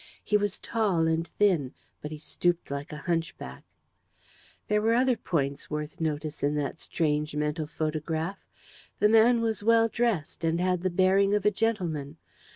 He was tall and thin, but he stooped like a hunchback. There were other points worth notice in that strange mental photograph. The man was well dressed, and had the bearing of a gentleman.